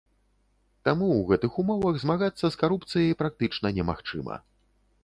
Таму ў гэтых умовах змагацца з карупцыяй практычна немагчыма.